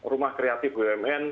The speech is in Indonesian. rumah kreatif umn